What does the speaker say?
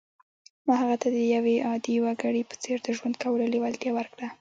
ما هغه ته د یوه عادي وګړي په څېر د ژوند کولو لېوالتیا ورکړه